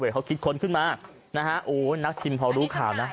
เขาคิดค้นขึ้นมานะฮะโอ้ยนักชิมพอรู้ข่าวนะ